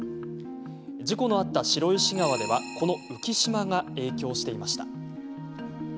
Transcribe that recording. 事故のあった白石川ではこの浮き島が影響していました。